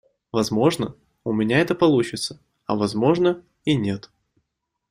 Возможно, у меня это получится, а возможно, и нет.